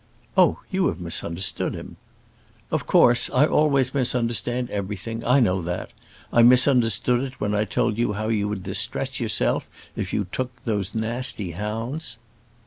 "Oh, you have misunderstood him." "Of course; I always misunderstand everything. I know that. I misunderstood it when I told you how you would distress yourself if you took those nasty hounds."